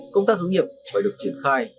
công tác hướng nghiệp phải được triển khai